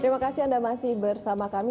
terima kasih anda masih bersama kami